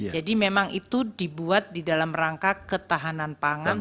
jadi memang itu dibuat di dalam rangka ketahanan pangan